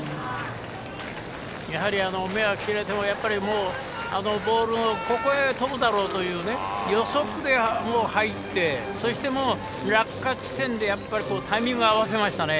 やはり目が切れてもボールのここへ飛ぶだろうという予測で入ってそして落下地点でタイミングを合わせましたね。